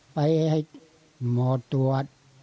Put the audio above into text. ไปให้หมอตรวจ